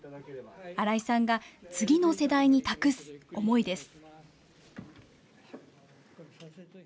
新井さんが次の世代に託す思いです。